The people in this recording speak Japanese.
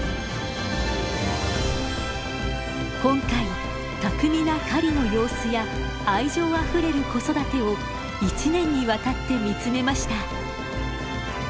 今回巧みな狩りの様子や愛情あふれる子育てを１年にわたって見つめました。